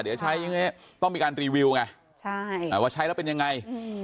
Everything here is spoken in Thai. เดี๋ยวใช้ต้องมีการรีวิวไงใช่ว่าใช้แล้วเป็นยังไง